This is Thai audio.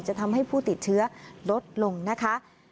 จะทำให้ผู้ติดเชื้อลดลงนะคะ